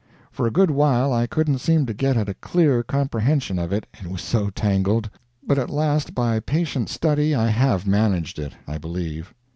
For a good while I couldn't seem to get at a clear comprehension of it, it was so tangled. But at last by patient study I have managed it, I believe.